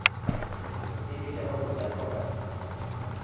এই বিচারে অব্যয় চার প্রকার।